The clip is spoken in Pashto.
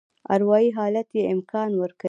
اروایي حالت یې امکان ورکوي.